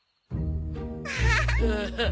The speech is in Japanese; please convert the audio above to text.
アハハ！